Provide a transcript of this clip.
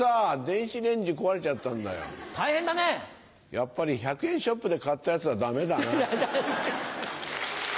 やっぱり１００円ショップで買ったやつはダメだな。